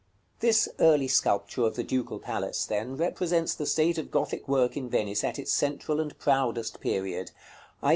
§ CXXXII. This early sculpture of the Ducal Palace, then, represents the state of Gothic work in Venice at its central and proudest period, i.